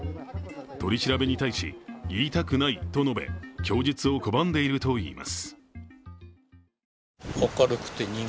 取り調べに対し、言いたくないと述べ供述を拒んでいるといいます。